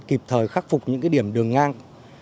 kịp thời khắc phục những điểm đường ngang